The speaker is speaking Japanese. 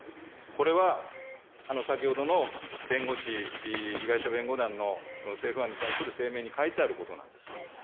これは先ほどの弁護士、被害者弁護団の政府案に対する声明に書いてあることなんです。